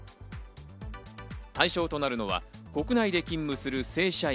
対象となるのは国内で勤務する正社員